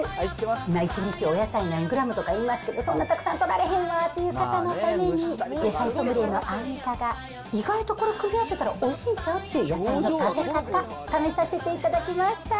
１日お野菜何グラムとかいいますけど、そんなたくさん取られへんわっていう方のために、久しぶりのアンミカが野菜意外とこれ、組み合わせたらおいしいんちゃうっていう野菜の食べ方、試させていただきました。